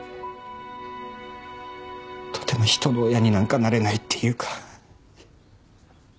とても人の親になんかなれないっていうか。